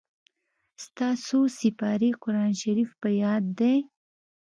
ستا څو سېپارې قرآن شريف په ياد دئ.